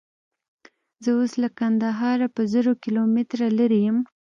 زه اوس له کندهاره په زرو کیلومتره لیرې یم.